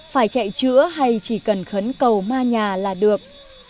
phải chạy chữa hay chỉ cần khấn cầu ma nhà là được